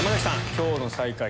今日の最下位